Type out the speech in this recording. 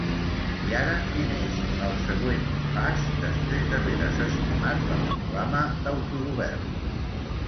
I ara quin és el següent pas, després d'haver desestimat la proclama d'autogovern?